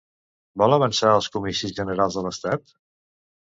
Vol avançar els comicis generals de l'Estat?